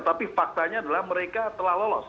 tapi faktanya adalah mereka telah lolos